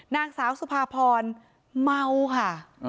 นางสาวสุภาพรเมาค่ะ